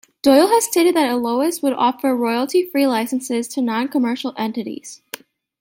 Doyle has stated that Eolas would offer royalty-free licenses to non-commercial entities.